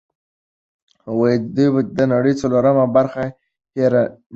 دوی به د نړۍ څلورمه برخه هېر نه کړي.